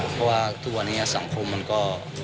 เพราะว่านี้สังคมมันก็